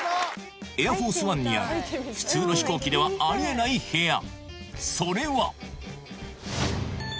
エアフォースワンにある普通の飛行機ではありえない部屋